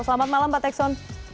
selamat malam pak tekson